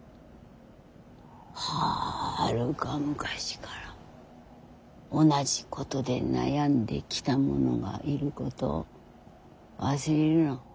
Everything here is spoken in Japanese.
はるか昔から同じことで悩んできた者がいることを忘れるな。